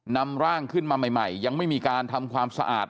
นำร่างขึ้นมาใหม่ยังไม่มีการทำความสะอาด